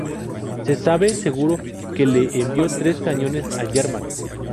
Se sabe seguro que le envió tres cañones a Yermak.